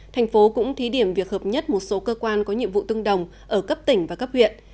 thành phố cũng thí điểm việc hợp nhất một số cơ quan có nhiệm vụ tương đồng ở cấp tỉnh và cấp huyện